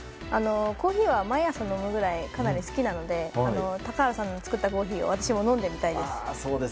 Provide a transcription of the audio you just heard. コーヒーは毎朝飲むぐらいかなり好きなので高原さんの作ったコーヒーを私も飲んでみたいです。